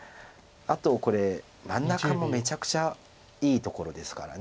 あとこれ真ん中もめちゃくちゃいいところですから。